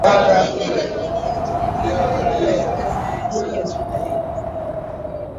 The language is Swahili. ujangiri ni changamoto kubwa kwenye uendeshaji wa shughuli za uhifadhi